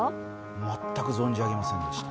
全く存じ上げませんでした。